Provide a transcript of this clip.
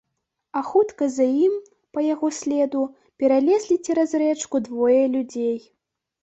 А хутка за ім, па яго следу, пералезлі цераз рэчку двое людзей.